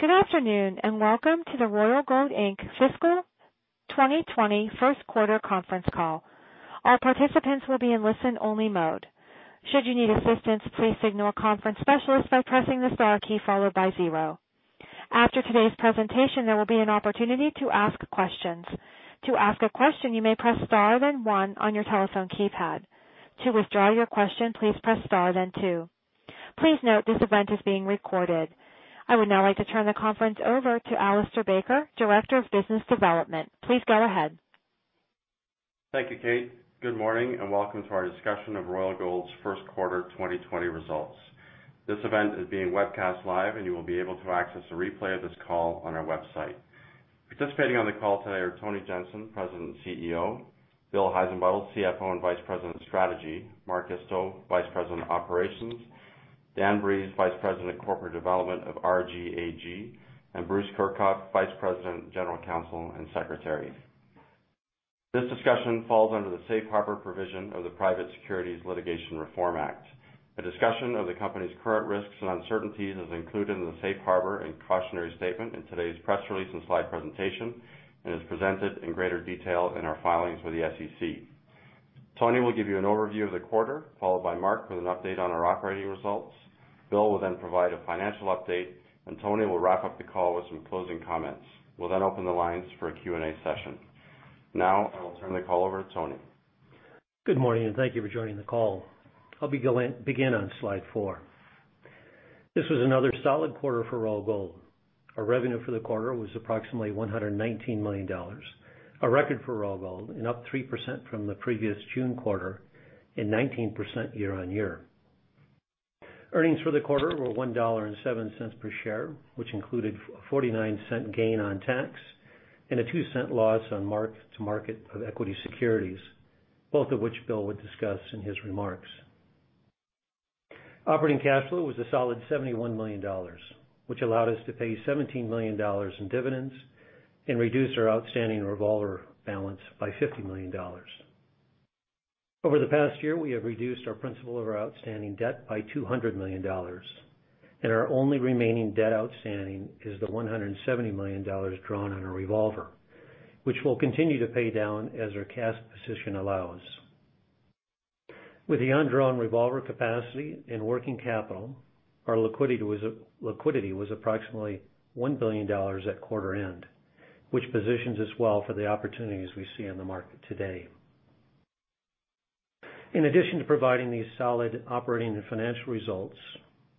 Good afternoon, and welcome to the Royal Gold Inc. Fiscal 2020 first quarter conference call. All participants will be in listen-only mode. Should you need assistance, please signal a conference specialist by pressing the star key followed by zero. After today's presentation, there will be an opportunity to ask questions. To ask a question, you may press star, then one on your telephone keypad. To withdraw your question, please press star, then two. Please note this event is being recorded. I would now like to turn the conference over to Alistair Baker, Director of Business Development. Please go ahead. Thank you, Kate. Good morning, and welcome to our discussion of Royal Gold's first quarter 2020 results. This event is being webcast live, and you will be able to access a replay of this call on our website. Participating on the call today are Tony Jensen, President and CEO, Bill Heissenbuttel, CFO and Vice President of Strategy, Mark Isto, Vice President of Operations, Dan Breeze, Vice President of Corporate Development of RGAG, and Bruce Kirchhoff, Vice President, General Counsel and Secretary. This discussion falls under the Safe Harbor provision of the Private Securities Litigation Reform Act. A discussion of the company's current risks and uncertainties is included in the Safe Harbor and cautionary statement in today's press release and slide presentation, and is presented in greater detail in our filings with the SEC. Tony will give you an overview of the quarter, followed by Mark with an update on our operating results. Bill will then provide a financial update, and Tony will wrap up the call with some closing comments. We'll then open the lines for a Q&A session. Now, I will turn the call over to Tony. Good morning, and thank you for joining the call. I'll begin on slide four. This was another solid quarter for Royal Gold. Our revenue for the quarter was approximately $119 million, a record for Royal Gold and up 3% from the previous June quarter and 19% year-on-year. Earnings for the quarter were $1.07 per share, which included a $0.49 gain on tax and a $0.02 loss on mark-to-market of equity securities, both of which Bill will discuss in his remarks. Operating cash flow was a solid $71 million, which allowed us to pay $17 million in dividends and reduce our outstanding revolver balance by $50 million. Over the past year, we have reduced our principal over outstanding debt by $200 million, and our only remaining debt outstanding is the $170 million drawn on our revolver, which we'll continue to pay down as our cash position allows. With the undrawn revolver capacity and working capital, our liquidity was approximately $1 billion at quarter end, which positions us well for the opportunities we see in the market today. In addition to providing these solid operating and financial results,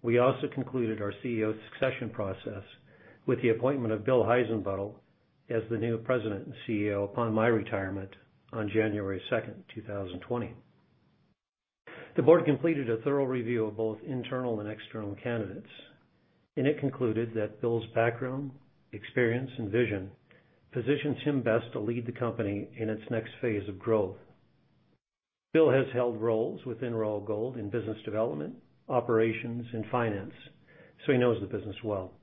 we also concluded our CEO succession process with the appointment of Bill Heissenbuttel as the new President and CEO upon my retirement on 2nd January 2020. The board completed a thorough review of both internal and external candidates, and it concluded that Bill's background, experience, and vision positions him best to lead the company in its next phase of growth. Bill has held roles within Royal Gold in business development, operations, and finance, so he knows the business well.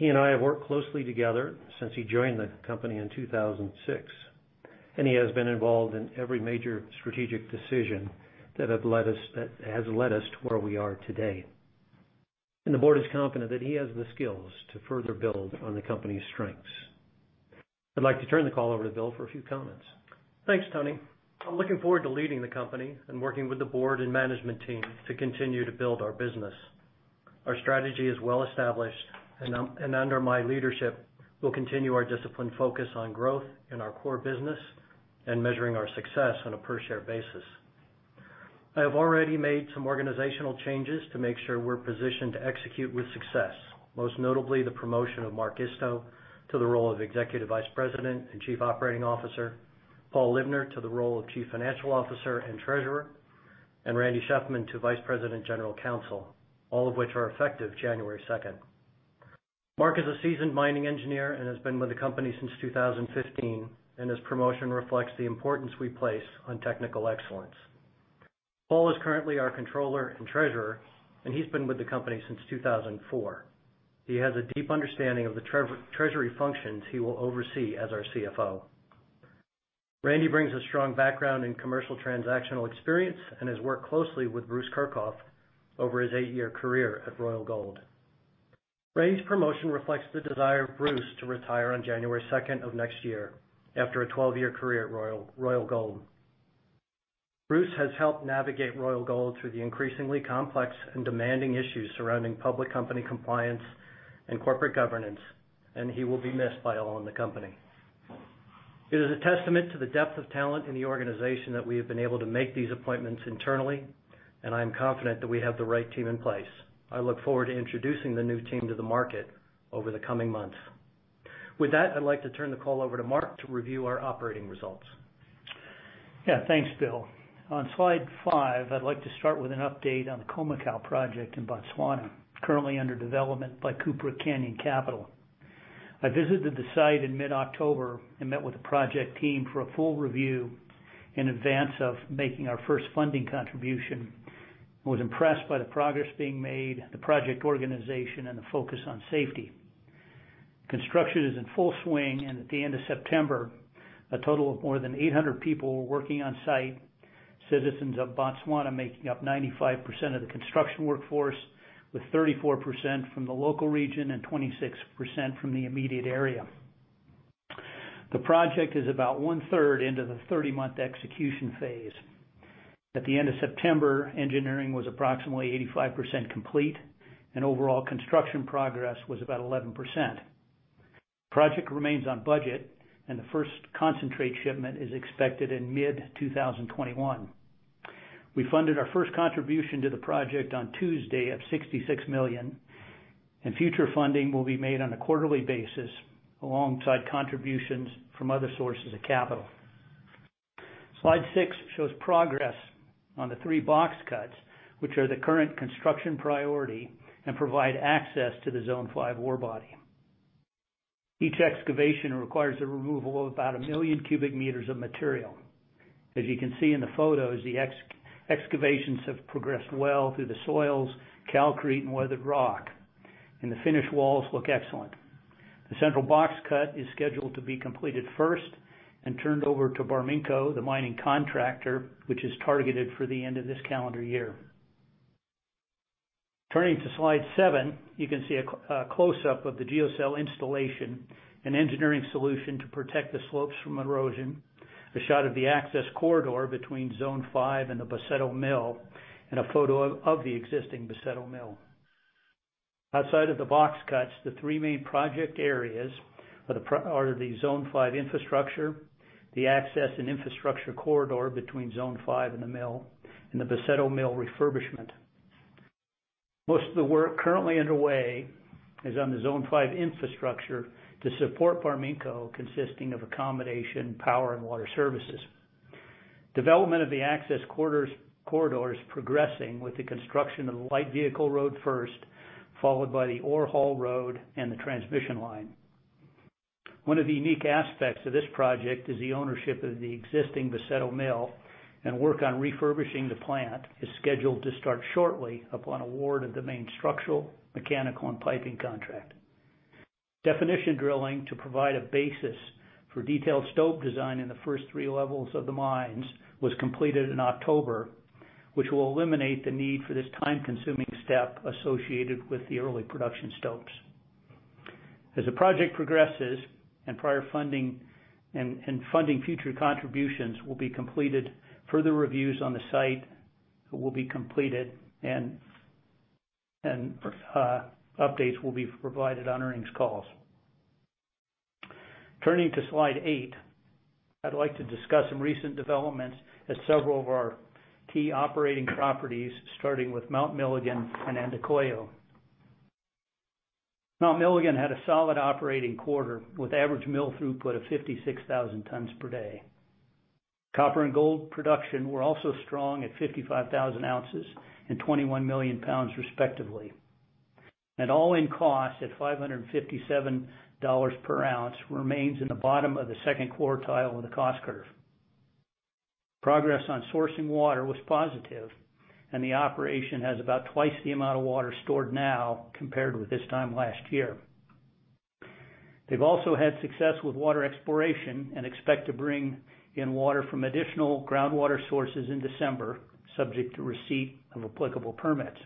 He and I have worked closely together since he joined the company in 2006, he has been involved in every major strategic decision that has led us to where we are today. The board is confident that he has the skills to further build on the company's strengths. I'd like to turn the call over to Bill for a few comments. Thanks, Tony. I'm looking forward to leading the company and working with the board and management team to continue to build our business. Our strategy is well established and, under my leadership, we'll continue our disciplined focus on growth in our core business and measuring our success on a per-share basis. I have already made some organizational changes to make sure we're positioned to execute with success, most notably the promotion of Mark Isto to the role of Executive Vice President and Chief Operating Officer, Paul Libner to the role of Chief Financial Officer and Treasurer, and Randy Shefman to Vice President, General Counsel, all of which are effective January 2nd. Mark is a seasoned mining engineer and has been with the company since 2015, and his promotion reflects the importance we place on technical excellence. Paul is currently our Controller and Treasurer, and he's been with the company since 2004. He has a deep understanding of the treasury functions he will oversee as our CFO. Randy brings a strong background in commercial transactional experience and has worked closely with Bruce Kirchhoff over his eight-year career at Royal Gold. Randy's promotion reflects the desire of Bruce to retire on January 2nd of next year after a 12-year career at Royal Gold. Bruce has helped navigate Royal Gold through the increasingly complex and demanding issues surrounding public company compliance and corporate governance, and he will be missed by all in the company. It is a testament to the depth of talent in the organization that we have been able to make these appointments internally, and I am confident that we have the right team in place. I look forward to introducing the new team to the market over the coming months. With that, I'd like to turn the call over to Mark to review our operating results. Yeah. Thanks, Bill. On slide five, I'd like to start with an update on the Khoemacau project in Botswana, currently under development by Cupric Canyon Capital. I visited the site in mid-October and met with the project team for a full review in advance of making our first funding contribution and was impressed by the progress being made, the project organization, and the focus on safety. Construction is in full swing. At the end of September, a total of more than 800 people were working on site. Citizens of Botswana making up 95% of the construction workforce, with 34% from the local region and 26% from the immediate area. The project is about one-third into the 30-month execution phase. At the end of September, engineering was approximately 85% complete, and overall construction progress was about 11%. Project remains on budget, and the first concentrate shipment is expected in mid-2021. We funded our first contribution to the project on Tuesday of $66 million, and future funding will be made on a quarterly basis alongside contributions from other sources of capital. Slide six shows progress on the three box cuts, which are the current construction priority and provide access to the zone five ore body. Each excavation requires a removal of about a million cubic meters of material. As you can see in the photos, the excavations have progressed well through the soils, calcrete, and weathered rock, and the finished walls look excellent. The central box cut is scheduled to be completed first and turned over to Barminco, the mining contractor, which is targeted for the end of this calendar year. Turning to slide seven, you can see a close-up of the geocell installation, an engineering solution to protect the slopes from erosion, a shot of the access corridor between Zone 5 and the Boseto Mill, and a photo of the existing Boseto Mill. Outside of the box cuts, the three main project areas are the Zone 5 infrastructure, the access and infrastructure corridor between Zone 5 and the mill, and the Boseto Mill refurbishment. Most of the work currently underway is on the Zone 5 infrastructure to support Barminco, consisting of accommodation, power, and water services. Development of the access corridor is progressing with the construction of the light vehicle road first, followed by the ore haul road and the transmission line. One of the unique aspects of this project is the ownership of the existing Boseto Mill, and work on refurbishing the plant is scheduled to start shortly upon award of the main structural, mechanical, and piping contract. Definition drilling to provide a basis for detailed stope design in the first three levels of the mines was completed in October, which will eliminate the need for this time-consuming step associated with the early production stopes. As the project progresses and funding future contributions will be completed, further reviews on the site will be completed, and updates will be provided on earnings calls. Turning to slide eight, I'd like to discuss some recent developments at several of our key operating properties, starting with Mount Milligan and Andacollo. Mount Milligan had a solid operating quarter with average mill throughput of 56,000 tons per day. Copper and gold production were also strong at 55,000 ounces and 21 million pounds respectively. Net all-in cost at $557 per ounce remains in the bottom of the second quartile of the cost curve. Progress on sourcing water was positive, and the operation has about twice the amount of water stored now compared with this time last year. They've also had success with water exploration and expect to bring in water from additional groundwater sources in December, subject to receipt of applicable permits.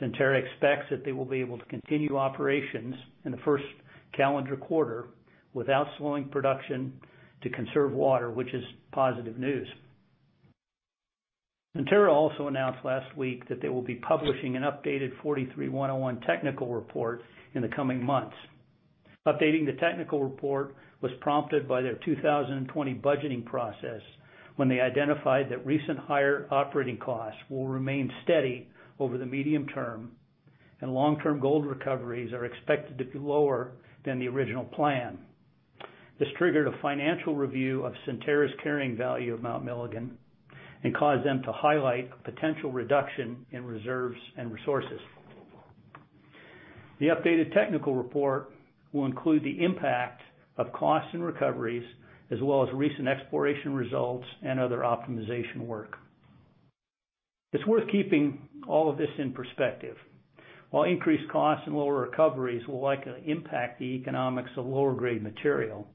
Centerra expects that they will be able to continue operations in the first calendar quarter without slowing production to conserve water, which is positive news. Centerra also announced last week that they will be publishing an updated 43-101 technical report in the coming months. Updating the technical report was prompted by their 2020 budgeting process, when they identified that recent higher operating costs will remain steady over the medium term, and long-term gold recoveries are expected to be lower than the original plan. This triggered a financial review of Centerra's carrying value of Mount Milligan and caused them to highlight a potential reduction in reserves and resources. The updated technical report will include the impact of cost and recoveries, as well as recent exploration results and other optimization work. It's worth keeping all of this in perspective. While increased costs and lower recoveries will likely impact the economics of lower grade material,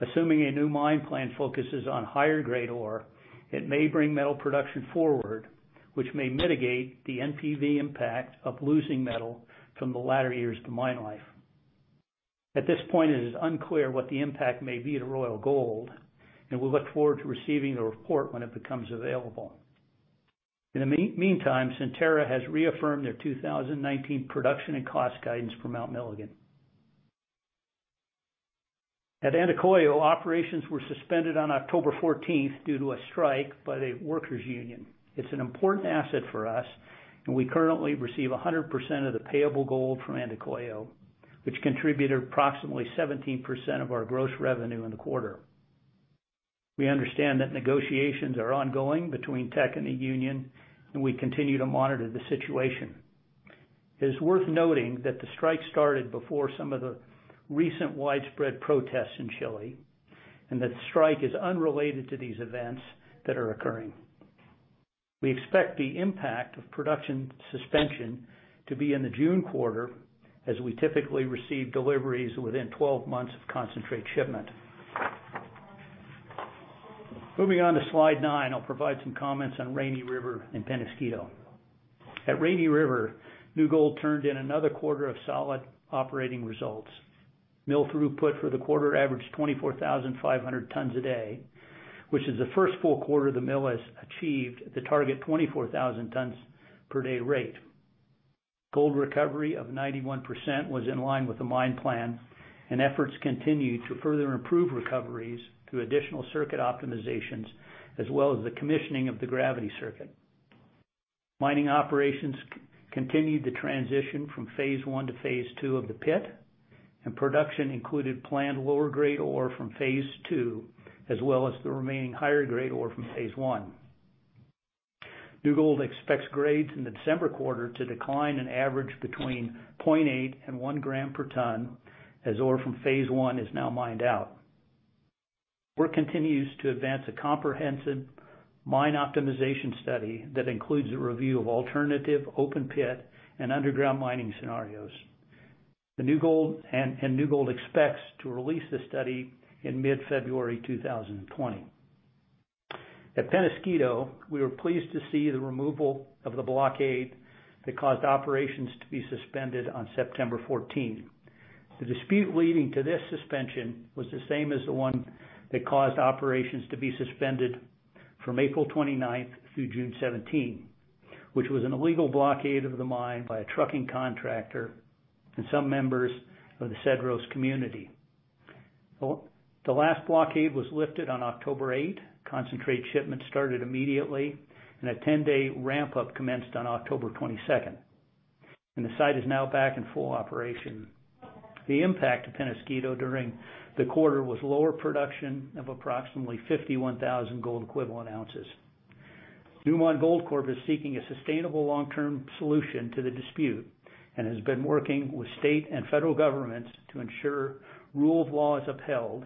assuming a new mine plan focuses on higher grade ore, it may bring metal production forward, which may mitigate the NPV impact of losing metal from the latter years of mine life. At this point, it is unclear what the impact may be to Royal Gold, and we look forward to receiving the report when it becomes available. In the meantime, Centerra has reaffirmed their 2019 production and cost guidance for Mount Milligan. At Andacollo, operations were suspended on October 14th due to a strike by the workers' union. It's an important asset for us, and we currently receive 100% of the payable gold from Andacollo, which contributed approximately 17% of our gross revenue in the quarter. We understand that negotiations are ongoing between Teck and the union, and we continue to monitor the situation. It is worth noting that the strike started before some of the recent widespread protests in Chile, and that the strike is unrelated to these events that are occurring. We expect the impact of production suspension to be in the June quarter, as we typically receive deliveries within 12 months of concentrate shipment. Moving on to slide nine, I'll provide some comments on Rainy River and Peñasquito. At Rainy River, New Gold turned in another quarter of solid operating results. Mill throughput for the quarter averaged 24,500 tons a day, which is the first full quarter the mill has achieved the target 24,000 tons per day rate. Gold recovery of 91% was in line with the mine plan, and efforts continue to further improve recoveries through additional circuit optimizations as well as the commissioning of the gravity circuit. Mining operations continued to transition from phase I to phase II of the pit, production included planned lower grade ore from phase II, as well as the remaining higher grade ore from phase I. New Gold expects grades in the December quarter to decline on average between 0.8 g and 1 g per ton, as ore from phase I is now mined out. Work continues to advance a comprehensive mine optimization study that includes a review of alternative open pit and underground mining scenarios. New Gold expects to release the study in mid-February 2020. At Peñasquito, we were pleased to see the removal of the blockade that caused operations to be suspended on September 14th. The dispute leading to this suspension was the same as the one that caused operations to be suspended from April 29th through June 17, which was an illegal blockade of the mine by a trucking contractor and some members of the Cedros community. The last blockade was lifted on October 8th. Concentrate shipments started immediately, and a 10-day ramp-up commenced on October 22nd, and the site is now back in full operation. The impact of Peñasquito during the quarter was lower production of approximately 51,000 gold equivalent ounces. Newmont Goldcorp is seeking a sustainable long-term solution to the dispute and has been working with state and federal governments to ensure rule of law is upheld,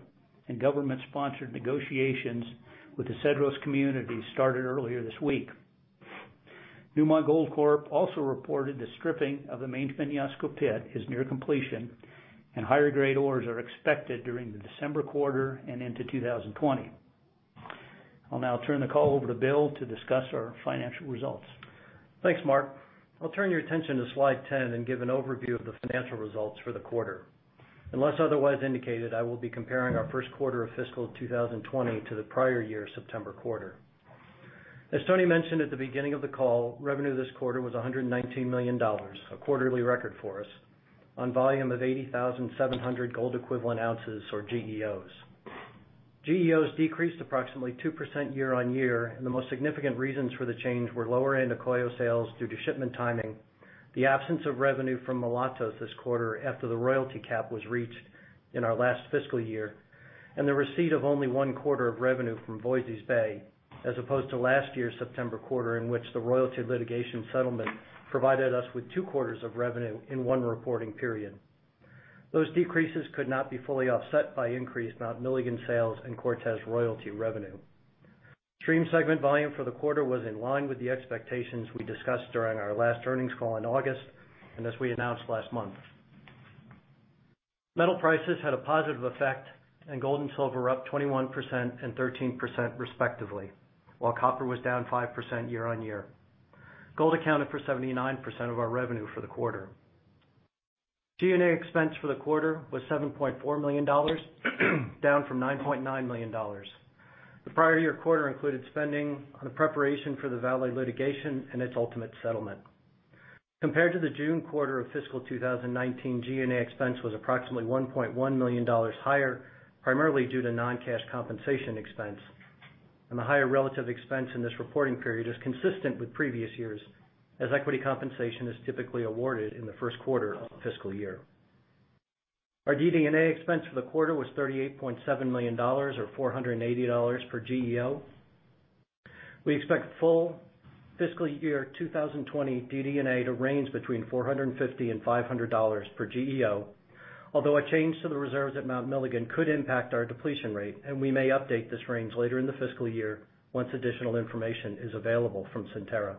and government-sponsored negotiations with the Cedros community started earlier this week. Newmont Goldcorp also reported the stripping of the main Peñasquito pit is near completion, and higher-grade ores are expected during the December quarter and into 2020. I'll now turn the call over to Bill to discuss our financial results. Thanks, Mark. I'll turn your attention to slide 10 and give an overview of the financial results for the quarter. Unless otherwise indicated, I will be comparing our first quarter of fiscal 2020 to the prior year September quarter. As Tony mentioned at the beginning of the call, revenue this quarter was $119 million, a quarterly record for us, on volume of 80,700 Gold Equivalent Ounces, or GEOs. GEOs decreased approximately 2% year-over-year. The most significant reasons for the change were lower Andacollo sales due to shipment timing, the absence of revenue from Mulatos this quarter after the royalty cap was reached in our last fiscal year, and the receipt of only one quarter of revenue from Voisey's Bay, as opposed to last year's September quarter, in which the royalty litigation settlement provided us with two quarters of revenue in one reporting period. Those decreases could not be fully offset by increased Mount Milligan sales and Cortez royalty revenue. Stream segment volume for the quarter was in line with the expectations we discussed during our last earnings call in August, as we announced last month. Metal prices had a positive effect, gold and silver were up 21% and 13% respectively, while copper was down 5% year-on-year. Gold accounted for 79% of our revenue for the quarter. G&A expense for the quarter was $7.4 million, down from $9.9 million. The prior year quarter included spending on the preparation for the Vale litigation and its ultimate settlement. Compared to the June quarter of fiscal 2019, G&A expense was approximately $1.1 million higher, primarily due to non-cash compensation expense. The higher relative expense in this reporting period is consistent with previous years, as equity compensation is typically awarded in the first quarter of the fiscal year. Our DD&A expense for the quarter was $38.7 million, or $480 per GEO. We expect full Fiscal Year 2020 DD&A to range between $450 and $500 per GEO, although a change to the reserves at Mount Milligan could impact our depletion rate, and we may update this range later in the fiscal year once additional information is available from Centerra Gold.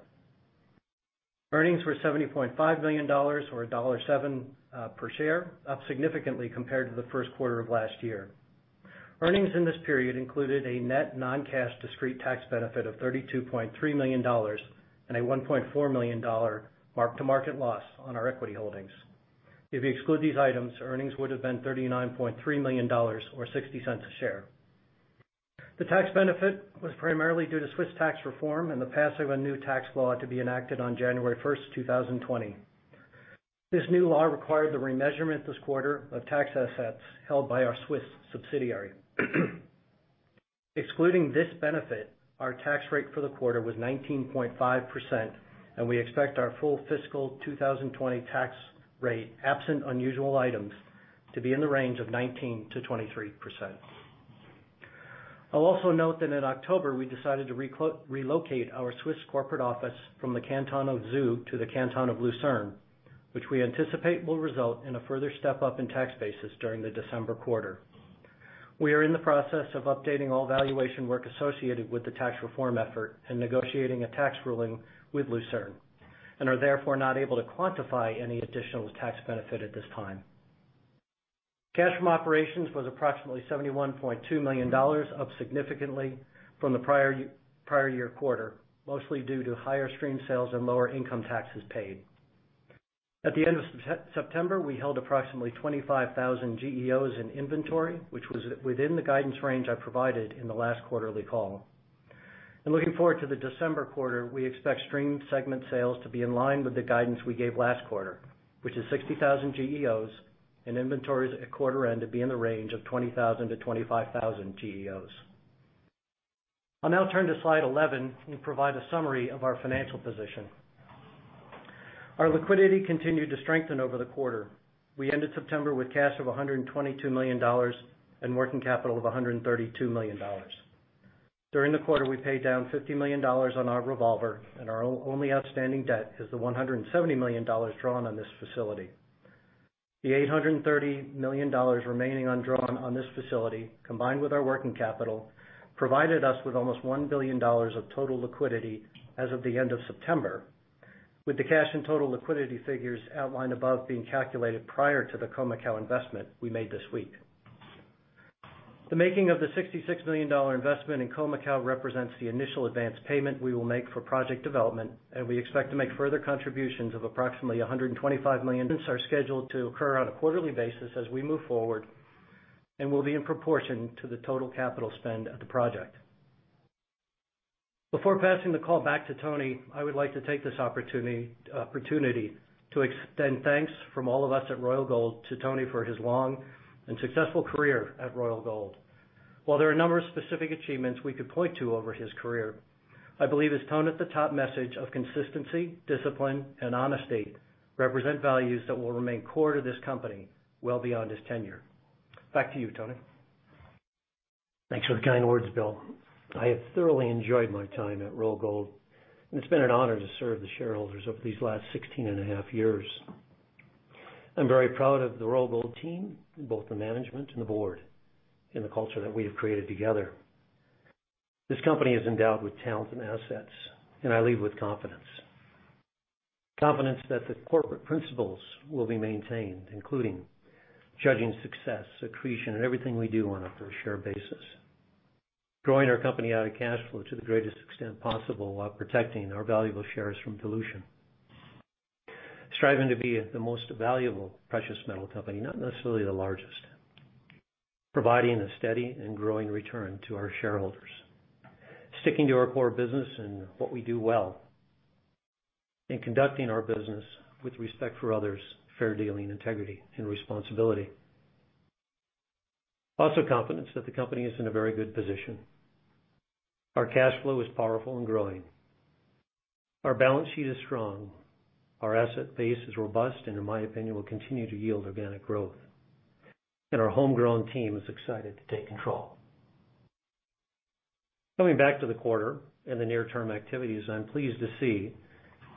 Earnings were $70.5 million, or $1.07 per share, up significantly compared to the first quarter of last year. Earnings in this period included a net non-cash discrete tax benefit of $32.3 million and a $1.4 million mark-to-market loss on our equity holdings. If you exclude these items, earnings would have been $39.3 million, or $0.60 a share. The tax benefit was primarily due to Swiss tax reform and the passing of a new tax law to be enacted on 1st January 2020. This new law required the remeasurement this quarter of tax assets held by our Swiss subsidiary. Excluding this benefit, our tax rate for the quarter was 19.5%. We expect our full fiscal 2020 tax rate, absent unusual items, to be in the range of 19%-23%. I'll also note that in October, we decided to relocate our Swiss corporate office from the Canton of Zug to the Canton of Lucerne, which we anticipate will result in a further step-up in tax basis during the December quarter. We are in the process of updating all valuation work associated with the tax reform effort and negotiating a tax ruling with Lucerne. We are therefore not able to quantify any additional tax benefit at this time. Cash from operations was approximately $71.2 million, up significantly from the prior year quarter, mostly due to higher stream sales and lower income taxes paid. At the end of September, we held approximately 25,000 GEOs in inventory, which was within the guidance range I provided in the last quarterly call. Looking forward to the December quarter, we expect stream segment sales to be in line with the guidance we gave last quarter, which is 60,000 GEOs and inventories at quarter end to be in the range of 20,000-25,000 GEOs. I'll now turn to slide 11 and provide a summary of our financial position. Our liquidity continued to strengthen over the quarter. We ended September with cash of $122 million and working capital of $132 million. During the quarter, we paid down $50 million on our revolver and our only outstanding debt is the $170 million drawn on this facility. The $830 million remaining undrawn on this facility, combined with our working capital, provided us with almost $1 billion of total liquidity as of the end of September, with the cash and total liquidity figures outlined above being calculated prior to the Khoemacau investment we made this week. The making of the $66 million investment in Khoemacau represents the initial advance payment we will make for project development, and we expect to make further contributions of approximately $125 million. These are scheduled to occur on a quarterly basis as we move forward and will be in proportion to the total capital spend of the project. Before passing the call back to Tony, I would like to take this opportunity to extend thanks from all of us at Royal Gold to Tony for his long and successful career at Royal Gold. While there are a number of specific achievements we could point to over his career, I believe his tone at the top message of consistency, discipline, and honesty represent values that will remain core to this company well beyond his tenure. Back to you, Tony. Thanks for the kind words, Bill. I have thoroughly enjoyed my time at Royal Gold, and it's been an honor to serve the shareholders over these last 16 and a half years. I'm very proud of the Royal Gold team, both the management and the board, and the culture that we have created together. This company is endowed with talent and assets, and I leave with confidence. Confidence that the corporate principles will be maintained, including judging success, accretion, and everything we do on a per share basis. Growing our company out of cash flow to the greatest extent possible while protecting our valuable shares from dilution. Striving to be the most valuable precious metal company, not necessarily the largest. Providing a steady and growing return to our shareholders. Sticking to our core business and what we do well, and conducting our business with respect for others, fair dealing, integrity, and responsibility. We also have confidence that the company is in a very good position. Our cash flow is powerful and growing. Our balance sheet is strong. Our asset base is robust and, in my opinion, will continue to yield organic growth. Our homegrown team is excited to take control. Coming back to the quarter and the near-term activities, I'm pleased to see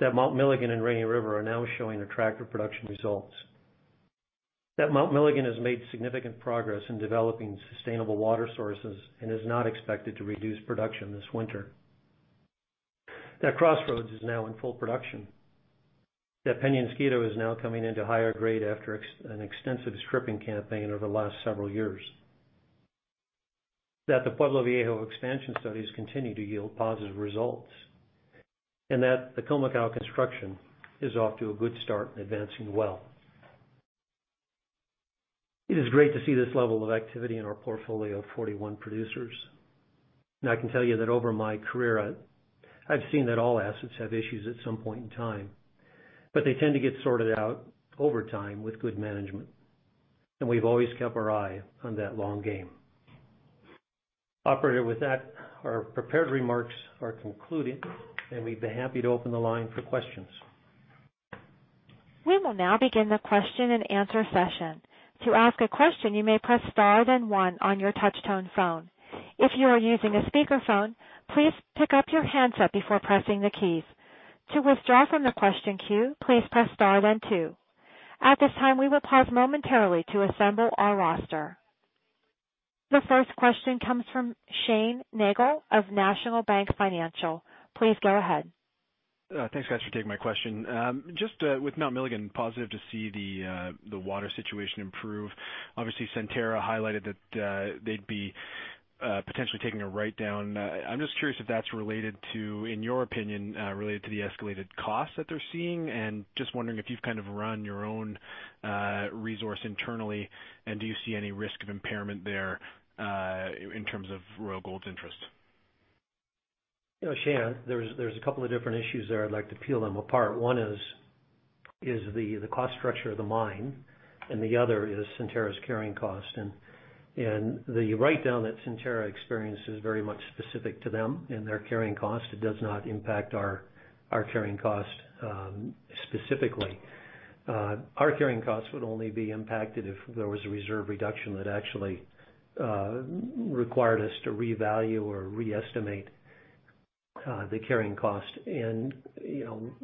that Mount Milligan and Rainy River are now showing attractive production results, that Mount Milligan has made significant progress in developing sustainable water sources and is not expected to reduce production this winter, that Crossroads is now in full production, that Peñasquito is now coming into higher grade after an extensive stripping campaign over the last several years. The Pueblo Viejo expansion studies continue to yield positive results, and that the Khoemacau construction is off to a good start and advancing well. It is great to see this level of activity in our portfolio of 41 producers, and I can tell you that over my career, I've seen that all assets have issues at some point in time, but they tend to get sorted out over time with good management and we've always kept our eye on that long game. Operator, with that, our prepared remarks are concluded, and we'd be happy to open the line for questions. We will now begin the question and answer session. To ask a question, you may press star then one on your touchtone phone. If you are using a speakerphone, please pick up your handset before pressing the keys. To withdraw from the question queue, please press star then two. At this time, we will pause momentarily to assemble our roster. The first question comes from Shane Nagle of National Bank Financial. Please go ahead. Thanks, guys, for taking my question. Just with Mount Milligan, positive to see the water situation improve. Obviously, Centerra highlighted that they'd be potentially taking a write-down. I'm just curious if that's, in your opinion, related to the escalated cost that they're seeing, and just wondering if you've kind of run your own resource internally, and do you see any risk of impairment there in terms of Royal Gold's interest? Shane, there's a couple of different issues there. I'd like to peel them apart. One is the cost structure of the mine, and the other is Centerra's carrying cost. The write-down that Centerra experienced is very much specific to them and their carrying cost. It does not impact our carrying cost, specifically. Our carrying cost would only be impacted if there was a reserve reduction that actually required us to revalue or re-estimate the carrying cost.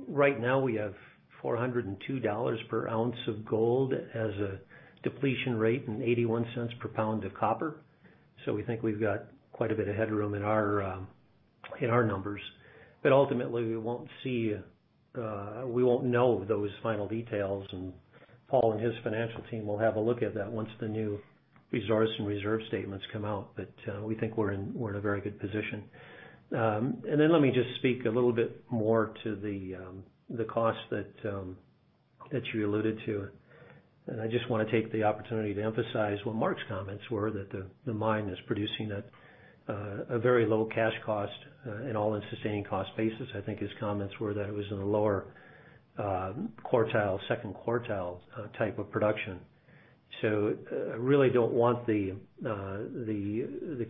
Right now we have $402 per ounce of gold as a depletion rate and $0.81 per pound of copper. We think we've got quite a bit of headroom in our numbers. Ultimately we won't know those final details, and Paul and his financial team will have a look at that once the new resource and reserve statements come out. We think we're in a very good position. Let me just speak a little bit more to the cost that you alluded to. I just want to take the opportunity to emphasize what Mark's comments were, that the mine is producing at a very low cash cost, an all-in sustaining cost basis. I think his comments were that it was in the lower 2nd quartile type of production. I really don't want the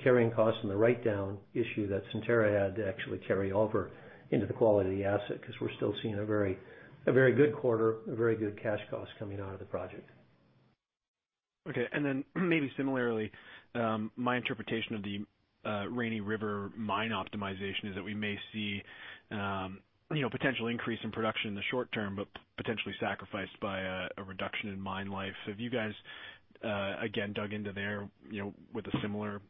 carrying cost and the write-down issue that Centerra had to actually carry over into the quality of the asset, because we're still seeing a very good quarter, a very good cash cost coming out of the project. Okay, maybe similarly, my interpretation of the Rainy River mine optimization is that we may see potential increase in production in the short term, potentially sacrificed by a reduction in mine life. Have you guys, again, dug into there, with a similar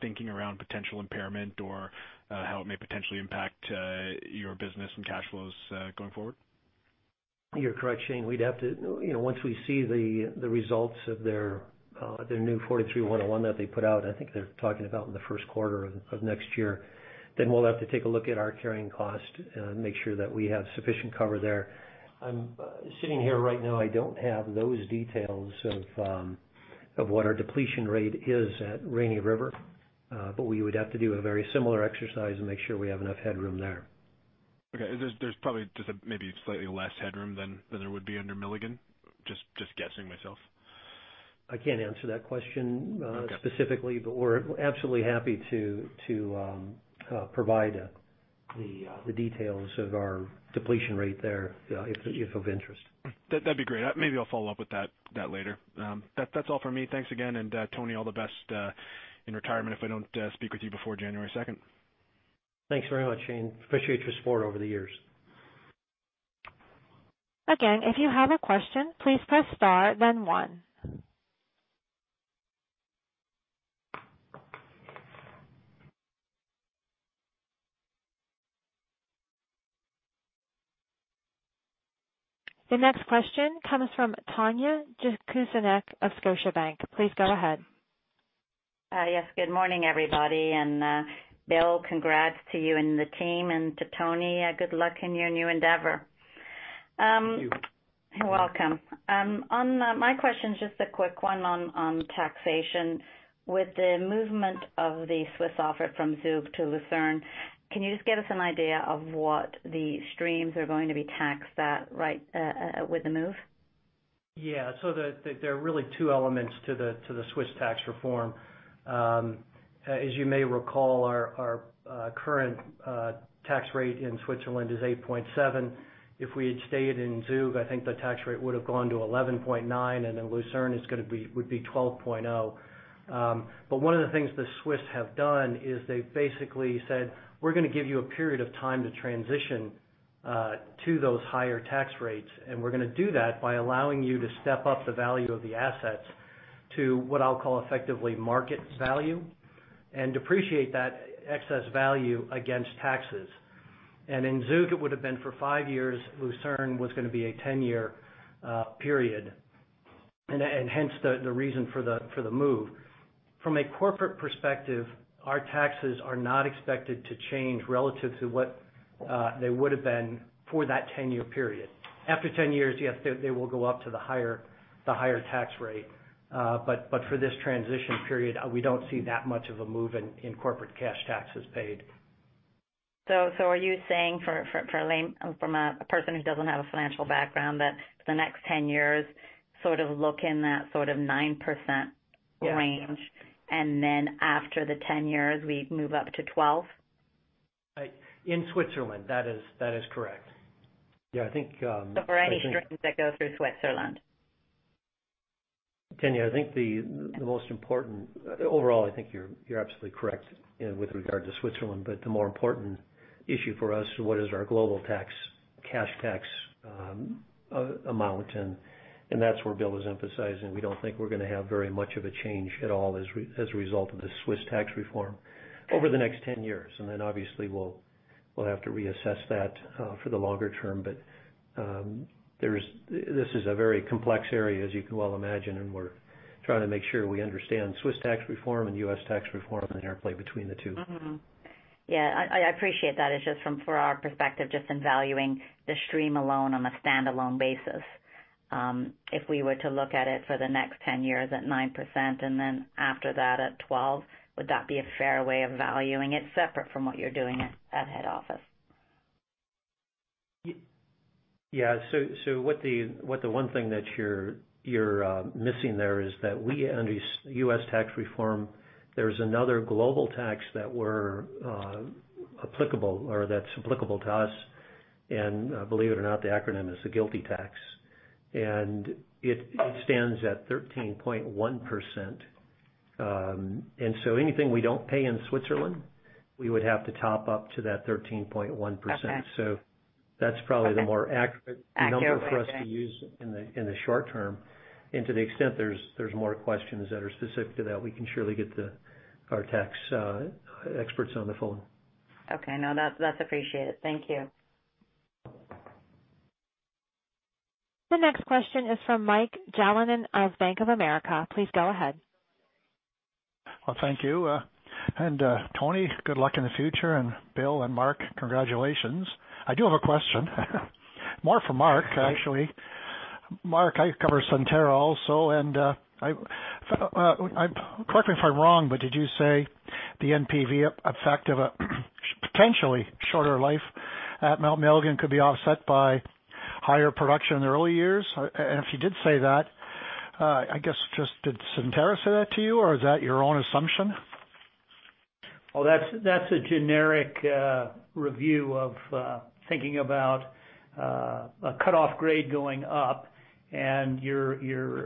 thinking around potential impairment or how it may potentially impact your business and cash flows going forward? You're correct, Shane. Once we see the results of the new 42-101 that they put out, I think they're talking about in the first quarter of next year, then we'll have to take a look at our carrying cost and make sure that we have sufficient cover there. I'm sitting here right now, I don't have those details of what our depletion rate is at Rainy River. We would have to do a very similar exercise and make sure we have enough headroom there. Okay. There's probably just maybe slightly less headroom than there would be under Milligan. Just guessing myself. I can't answer that question. Okay Specifically, we're absolutely happy to provide the details of our depletion rate there, if of interest. That'd be great. Maybe I'll follow up with that later. That's all for me. Thanks again, Tony, all the best in retirement if I don't speak with you before January 2nd. Thanks very much, Shane. Appreciate your support over the years. Again, if you have a question, please press star then one. The next question comes from Tanya Jakusconek of Scotiabank. Please go ahead. Yes, good morning, everybody. Bill, congrats to you and the team, and to Tony, good luck in your new endeavor. Thank you. You're welcome. My question's just a quick one on taxation. With the movement of the Swiss office from Zug to Lucerne, can you just give us an idea of what the streams are going to be taxed at with the move? Yeah. There are really two elements to the Swiss tax reform. As you may recall, our current tax rate in Switzerland is 8.7%. If we had stayed in Zug, I think the tax rate would have gone to 11.9%, and in Lucerne it would be 12.0%. One of the things the Swiss have done is they've basically said, "We're going to give you a period of time to transition to those higher tax rates, and we're going to do that by allowing you to step up the value of the assets to what I'll call effectively market value and depreciate that excess value against taxes." In Zug, it would have been for five years. Lucerne was going to be a 10-year period, and hence the reason for the move. From a corporate perspective, our taxes are not expected to change relative to what they would have been for that 10-year period. After 10 years, yes, they will go up to the higher tax rate. For this transition period, we don't see that much of a move in corporate cash taxes paid. Are you saying from a person who doesn't have a financial background, that for the next 10 years sort of look in that sort of 9% range? Yeah. After the 10 years, we move up to 12? In Switzerland, that is correct. Yeah. For any streams that go through Switzerland. Tanya, overall, I think you're absolutely correct with regard to Switzerland. The more important issue for us, what is our global cash tax amount, and that's where Bill is emphasizing, we don't think we're going to have very much of a change at all as a result of the Swiss tax reform over the next 10 years. Obviously we'll have to reassess that for the longer term. This is a very complex area as you can well imagine, and we're trying to make sure we understand Swiss tax reform and U.S. tax reform and the interplay between the two. I appreciate that. For our perspective, just in valuing the stream alone on a standalone basis. If we were to look at it for the next 10 years at 9% and then after that at 12%, would that be a fair way of valuing it separate from what you're doing at head office? Yeah. What the one thing that you're missing there is that we, under U.S. tax reform, there's another global tax that's applicable to us. Believe it or not, the acronym is the GILTI tax, and it stands at 13.1%. Anything we don't pay in Switzerland, we would have to top up to that 13.1%. Okay. That's probably the more accurate- Accurate ...number for us to use in the short term. To the extent there's more questions that are specific to that, we can surely get our tax experts on the phone. Okay. No, that's appreciated. Thank you. The next question is from Mike Jalonen of Bank of America. Please go ahead. Thank you. Tony, good luck in the future, and Bill and Mark, congratulations. I do have a question more for Mark, actually. Mark, I cover Centerra Gold also, and correct me if I'm wrong, but did you say the NPV effect of a potentially shorter life at Mount Milligan could be offset by higher production in the early years? If you did say that, I guess, did Centerra Gold say that to you, or is that your own assumption? That's a generic review of thinking about a cutoff grade going up and your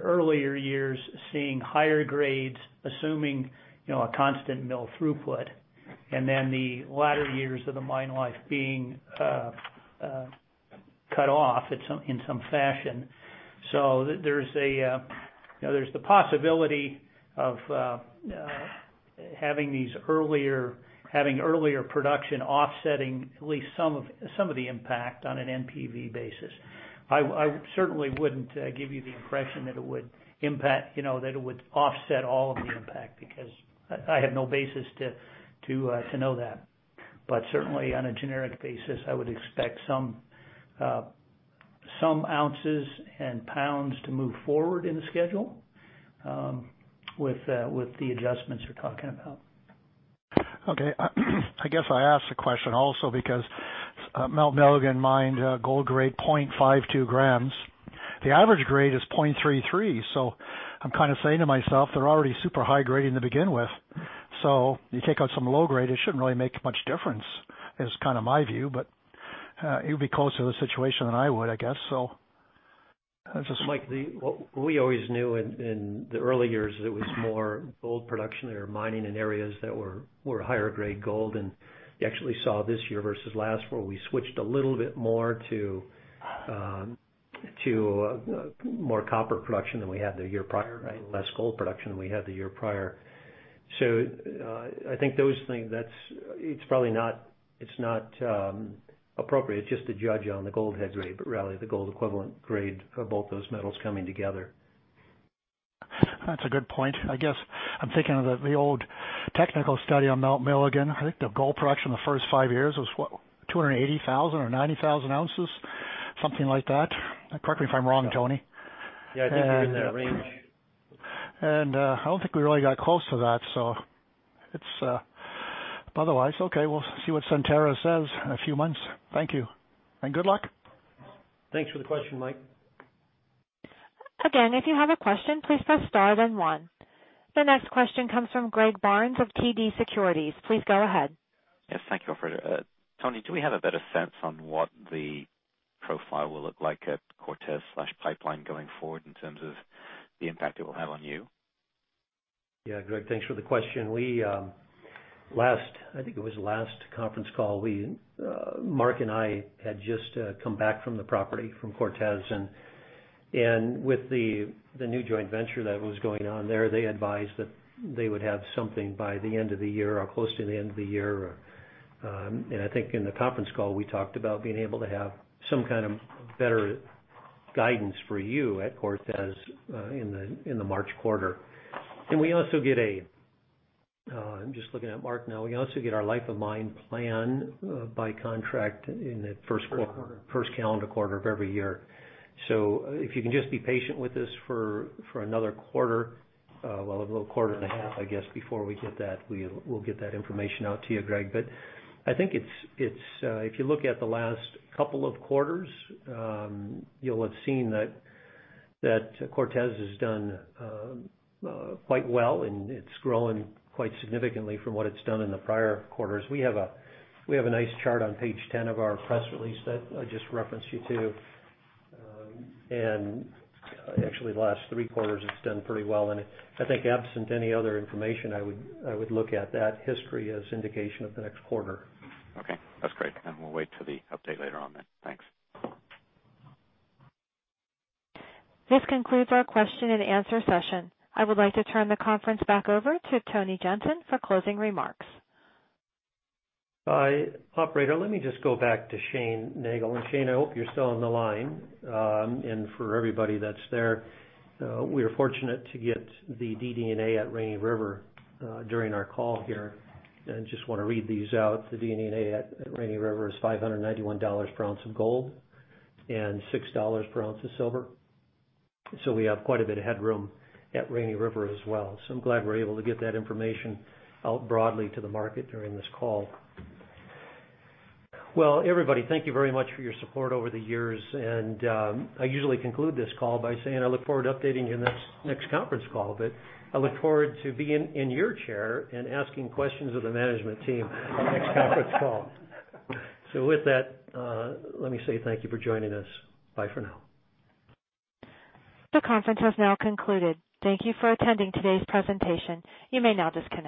earlier years seeing higher grades, assuming a constant mill throughput, and then the latter years of the mine life being cut off in some fashion. There's the possibility of having earlier production offsetting at least some of the impact on an NPV basis. I certainly wouldn't give you the impression that it would offset all of the impact, because I have no basis to know that. Certainly on a generic basis, I would expect some ounces and pounds to move forward in the schedule with the adjustments you're talking about. I guess I asked the question also because Mount Milligan mined gold grade 0.52 g. The average grade is 0.33 g. I'm kind of saying to myself, they're already super high grading to begin with, so you take out some low grade, it shouldn't really make much difference is kind of my view. You'll be closer to the situation than I would, I guess. Mike, we always knew in the early years it was more gold production. They were mining in areas that were higher grade gold. You actually saw this year versus last, where we switched a little bit more to more copper production than we had the year prior. Less gold production than we had the year prior. I think those things, it's not appropriate just to judge on the gold head grade, but really the gold equivalent grade of both those metals coming together. That's a good point. I guess I'm thinking of the old technical study on Mount Milligan. I think the gold production in the first five years was, what, 280,000 or 90,000 ounces? Something like that. Correct me if I'm wrong, Tony. Yeah, I think you're in that range. I don't think we really got close to that. Otherwise, okay, we'll see what Centerra says in a few months. Thank you and good luck. Thanks for the question, Mike. Again, if you have a question, please press star then one. The next question comes from Greg Barnes of TD Securities. Please go ahead. Thank you, operator. Tony, do we have a better sense on what the profile will look like at Cortez slash Pipeline going forward in terms of the impact it will have on you? Yeah. Greg, thanks for the question. I think it was last conference call, Mark and I had just come back from the property, from Cortez, with the new joint venture that was going on there, they advised that they would have something by the end of the year or close to the end of the year. I think in the conference call, we talked about being able to have some kind of better guidance for you at Cortez, in the March quarter. I'm just looking at Mark now. We also get our life of mine plan by contract in the first- First calendar. ..quarter of every year. If you can just be patient with us for another quarter, well, a little quarter and a half, I guess, before we get that, we'll get that information out to you, Greg. I think if you look at the last couple of quarters, you'll have seen that Cortez has done quite well, and it's growing quite significantly from what it's done in the prior quarters. We have a nice chart on page 10 of our press release that I just referenced you to. And actually, the last three quarters it's done pretty well, and I think absent any other information, I would look at that history as indication of the next quarter. Okay, that's great. We'll wait till the update later on then. Thanks. This concludes our question and answer session. I would like to turn the conference back over to Tony Jensen for closing remarks. Hi, operator. Let me just go back to Shane Nagle. Shane, I hope you're still on the line. For everybody that's there, we are fortunate to get the DD&A at Rainy River during our call here, just want to read these out. The DD&A at Rainy River is $591 per ounce of gold and $6 per ounce of silver. We have quite a bit of headroom at Rainy River as well. I'm glad we're able to get that information out broadly to the market during this call. Everybody, thank you very much for your support over the years, I usually conclude this call by saying I look forward to updating you in the next conference call, I look forward to being in your chair and asking questions of the management team next conference call. With that, let me say thank you for joining us. Bye for now. The conference has now concluded. Thank you for attending today's presentation. You may now disconnect.